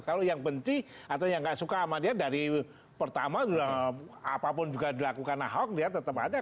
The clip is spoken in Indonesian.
kalau yang benci atau yang gak suka sama dia dari pertama apapun juga dilakukan ahok dia tetap aja